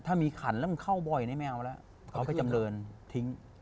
ถ้ามีขันแล้วมันเข้าบ่อยนี่ไม่เอาแล้วเขาก็จำเรินทิ้ง